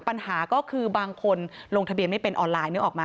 ปัญหาก็คือบางคนลงทะเบียนไม่เป็นออนไลน์